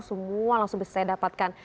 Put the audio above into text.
semua langsung bisa saya dapatkan